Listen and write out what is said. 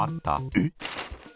えっ？